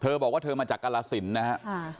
บอกว่าเธอมาจากกรสินนะฮะ